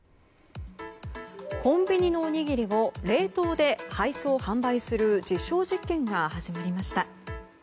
コンビニのおにぎりを冷凍で配送・販売する実証実験が始まりました。